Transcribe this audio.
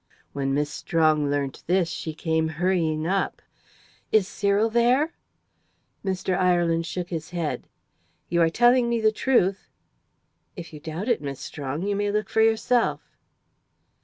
When Miss Strong learnt this, she came hurrying up. "Is Cyril there?" Mr. Ireland shook his head. "You are telling me the truth?" "If you doubt it, Miss Strong, you may look for yourself."